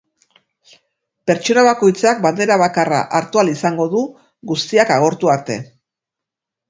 Pertsona bakoitzak bandera bakarra hartu ahal izango du, guztiak agortu arte.